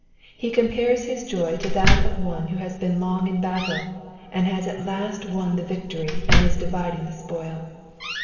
He compares his joy to that of one who has been long in battle, and has at last won the victory and is dividing the spoil.